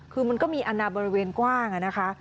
คือมันก็มีอนาบริเวณกว้างนะคะ